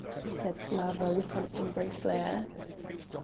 said Slawa with an angry flare.